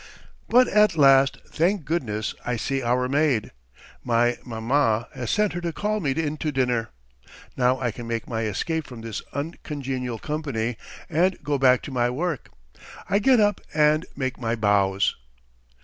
But at last, thank goodness! I see our maid. My maman has sent her to call me in to dinner. Now I can make my escape from this uncongenial company and go back to my work. I get up and make my bows.